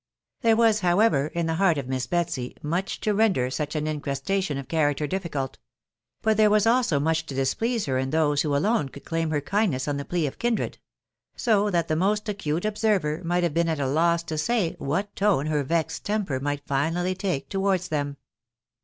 There was, however, in the heart of Miss Betsy much to render such an incrustation of character difficult ; but there was also much to displease her in those who alone could claim her kindness on the plea of kindred ; so that the most acute observer might have been at a loss to say what tone her vexed temper might finally take towards them.